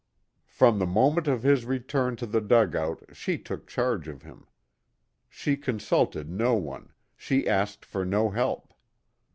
From the moment of his return to the dugout she took charge of him. She consulted no one, she asked for no help.